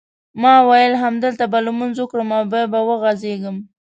ما وېل همدلته به لمونځ وکړم او بیا به وغځېږم.